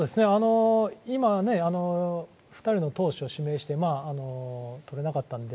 今、２人の投手を指名して取れなかったので。